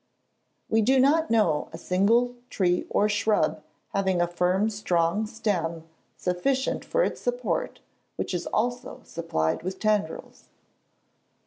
We do not know a single tree or shrub having a firm strong stem sufficient for its support which is also supplied with tendrils.